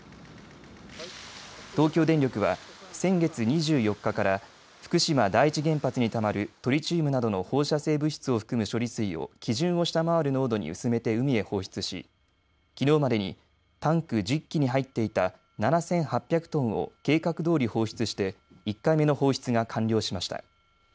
東京電力は先月２４日から福島第一原発にたまるトリチウムなどの放射性物質を含む処理水を基準を下回る濃度に薄めて海へ放出し、きのうまでにタンク１０基に入っていた７８００トンを計画どおり放出して１回目の放出が完了しました。